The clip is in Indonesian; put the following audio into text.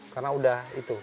karena sudah itu